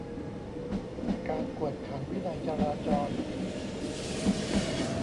การกวดขันวินัยจราจร